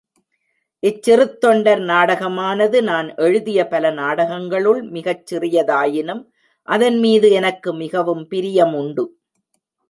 இச்சிறுத்தொண்டர் நாடகமானது நான் எழுதிய பல நாடகங்களுள் மிகச் சிறியதாயினும், அதன்மீது எனக்கு மிகவும் பிரியம் உண்டு.